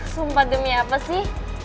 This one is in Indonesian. sumpah demi apa sih